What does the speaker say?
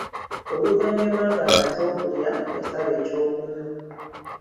Oluvannyuma ng'amaze okulya, yasaba eky'okunywa.